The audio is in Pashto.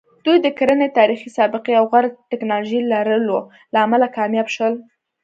دوی د کرنې تاریخي سابقې او غوره ټکنالوژۍ لرلو له امله کامیاب شول.